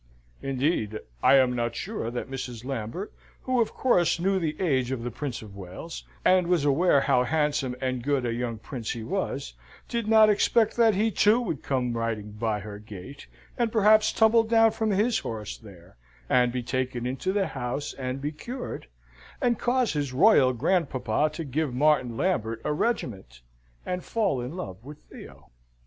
Indeed, I am not sure that Mrs. Lambert who, of course, knew the age of the Prince of Wales, and was aware how handsome and good a young prince he was did not expect that he too would come riding by her gate, and perhaps tumble down from his horse there, and be taken into the house, and be cured, and cause his royal grandpapa to give Martin Lambert a regiment, and fall in love with Theo.